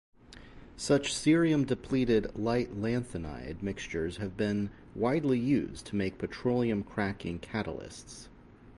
Such cerium-depleted light lanthanide mixtures have been widely used to make petroleum-cracking catalysts.